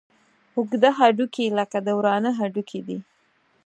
اوږده هډوکي لکه د ورانه هډوکي دي.